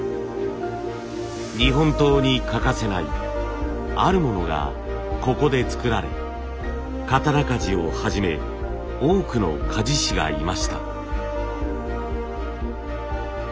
日本刀に欠かせないあるものがここで作られ刀鍛冶をはじめ多くの鍛冶師がいました。